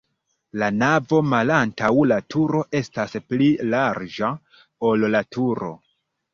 La navo malantaŭ la turo estas pli larĝa, ol la turo.